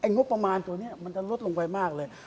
งบประมาณตัวนี้มันจะลดลงไปมากเลย